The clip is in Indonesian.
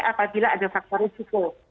apabila ada faktor risiko